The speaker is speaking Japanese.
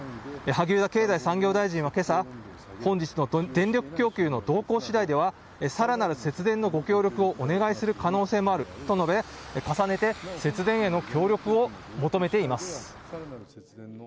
萩生田経済産業大臣はけさ、本日の電力供給の動向しだいでは、さらなる節電のご協力をお願いする可能性もあると述べ、重ねて節電への協力を求めています。